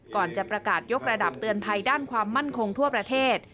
ก่อนจะประกาศยกระดับเตือนภัยด้านความมั่นคงทั่วประเทศ